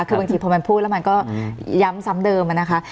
คือบางทีพอมันพูดแล้วมันก็ย้ำซ้ำเดิมอะนะคะ